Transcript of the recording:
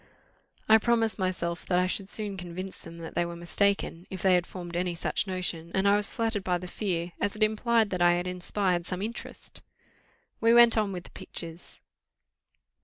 I promised myself that I should soon convince them they were mistaken, if they had formed any such notion, and I was flattered by the fear, as it implied that I had inspired some interest. We went on with the pictures.